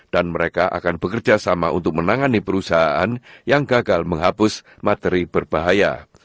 dan mereka akan bekerja sama untuk menangani perusahaan yang gagal menghapus materi berbahaya